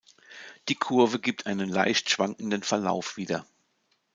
Die Kurve gibt einen leicht schwankenden Verlauf wieder.